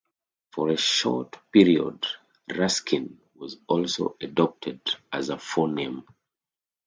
For a short period "Ruskin" was also adopted as a forename.